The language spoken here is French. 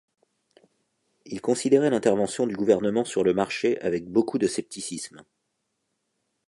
Il considérait l'intervention du gouvernement sur le marché avec beaucoup de scepticisme.